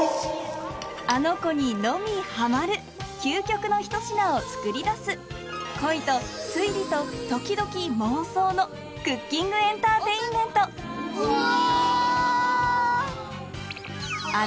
アノ娘にのみハマる究極のひと品を作り出す恋と推理と時々妄想のクッキングエンターテインメントうわ！